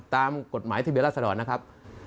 ตามกฎหมายทะเบียนราชดรนะครับ